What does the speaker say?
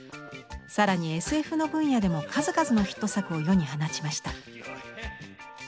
さらにＳＦの分野でも数々のヒット作を世に放ちました。